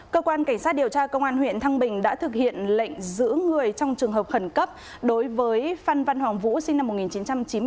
cơ quan cảnh sát điều tra công an huyện thăng bình đã thực hiện lệnh giữ người trong trường hợp khẩn cấp đối với phan văn hoàng vũ sinh năm một nghìn chín trăm chín mươi ba